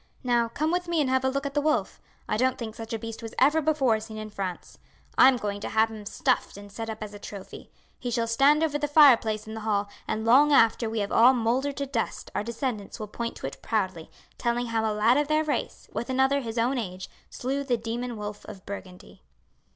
Now, come with me and have a look at the wolf. I don't think such a beast was ever before seen in France. I am going to have him stuffed and set up as a trophy. He shall stand over the fireplace in the hall, and long after we have all mouldered to dust our descendants will point to it proudly, telling how a lad of their race, with another his own age, slew the demon wolf of Burgundy."